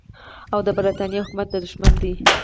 او د برټانیې د حکومت دښمن دی.